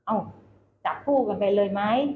อ้าวจับครูกันไปเลยไหม